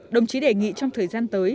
đồng chí đề nghị trong thời gian tới